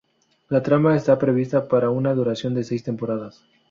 La trama está prevista para una duración de seis temporadas.